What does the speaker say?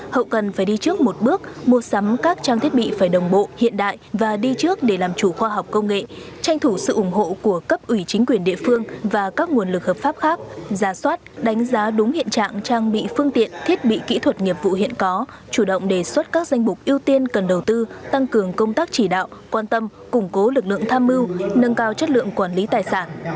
hậu cần phải đi trước một bước mua sắm các trang thiết bị phải đồng bộ hiện đại và đi trước để làm chủ khoa học công nghệ tranh thủ sự ủng hộ của cấp ủy chính quyền địa phương và các nguồn lực hợp pháp khác giá soát đánh giá đúng hiện trạng trang bị phương tiện thiết bị kỹ thuật nghiệp vụ hiện có chủ động đề xuất các danh bục ưu tiên cần đầu tư tăng cường công tác chỉ đạo quan tâm củng cố lực lượng tham mưu nâng cao chất lượng quản lý tài sản